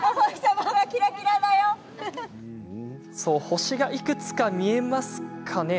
星がいくつか見えますかね。